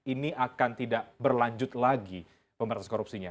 ini akan tidak berlanjut lagi pemberantasan korupsinya